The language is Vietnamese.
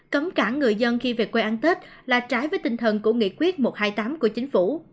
cấm cả người dân khi về quê ăn tết là trái với tinh thần của nghị quyết một trăm hai mươi tám của chính phủ